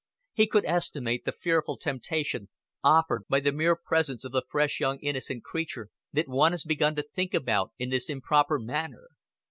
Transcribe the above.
He could estimate the fearful temptation offered by the mere presence of the fresh young innocent creature that one has begun to think about in this improper manner.